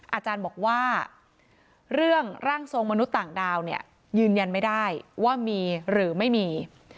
อาจารย์บอกว่าเรื่องร่างทรงมนุษย์ต่างดาวเนี่ยยืนยันไม่ได้ว่ามีหรือไม่มี